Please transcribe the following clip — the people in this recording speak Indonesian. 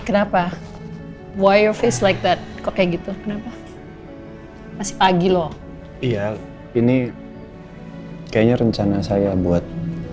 kenapa why face like that kok kayak gitu kenapa masih pagi loh iya ini kayaknya rencana saya buat